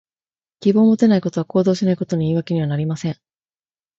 希望を持てないことは、行動しないことの言い訳にはなりません。